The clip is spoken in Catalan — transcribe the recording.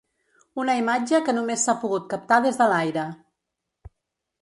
Una imatge que només s’ha pogut captar des de l’aire.